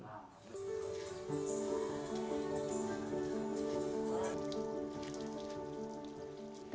sebagai seorang pribadi